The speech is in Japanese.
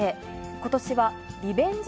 ことしはリベンジ